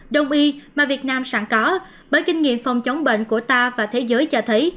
đông y mà việt nam sẵn có bởi kinh nghiệm phòng chống bệnh của ta và thế giới cho thấy